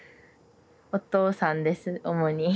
お父さんです主に。